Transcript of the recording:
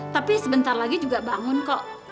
tapi sebentar lagi juga bangun kok